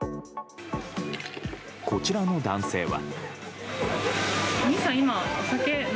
こちらの男性は。